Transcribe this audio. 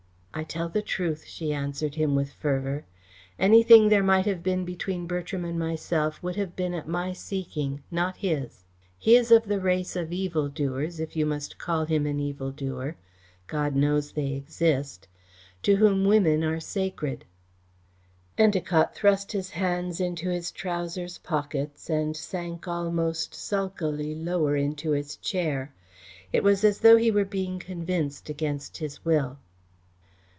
"I tell the truth," she assured him with fervour. "Anything there might have been between Bertram and myself would have been at my seeking, not his. He is of the race of evil doers, if you must call him an evil doer God knows they exist to whom women are sacred." Endacott thrust his hands into his trousers pockets and sank almost sulkily lower into his chair. It was as though he were being convinced against his will.